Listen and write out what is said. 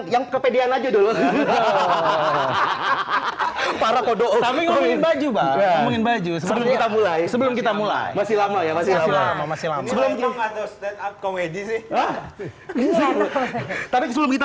yang kepedean aja dulu hahaha para kodok kodok baju baju sebelum kita mulai masih lama ya masih lama